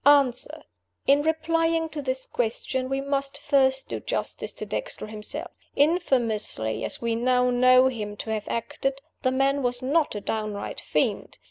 "Answer: In replying to this question, we must first do justice to Dexter himself. Infamously as we now know him to have acted, the man was not a downright fiend.